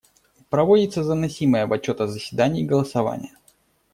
Проводится заносимое в отчет о заседании голосование.